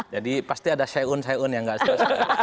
jadi pasti ada syaun syaun yang gak selesai